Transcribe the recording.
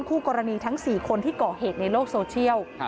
คู่กรณีทั้ง๔คนที่ก่อเหตุในโลกโซเชียล